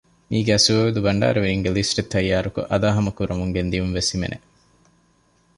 މީގައި ސުޢޫދީ ބަންޑާރަވެރީންގެ ލިސްޓެއް ތައްޔާރުކޮށް އަދާހަމަކުރަމުން ގެންދިޔުން ވެސް ހިމެނެ